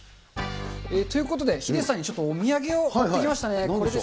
ということで、ヒデさんにちょっとお土産を買ってきましたね。